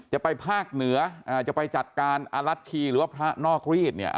จะไปภาคเหนือจะไปจัดการอรัชชีหรือว่าพระนอกรีดเนี่ย